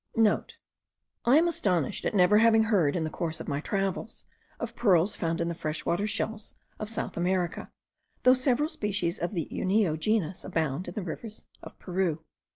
*(* I am astonished at never having heard, in the course of my travels, of pearls found in the fresh water shells of South America, though several species of the Unio genus abound in the rivers of Peru.)